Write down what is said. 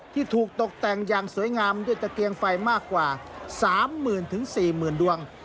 ที่ถูกตกแต่งอย่างสวยงามด้วยตะเกียงไฟมากกว่า๓๐๐๐๔๐๐๐ดวง